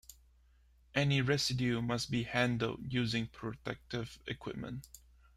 Any residue must be handled using protective equipment.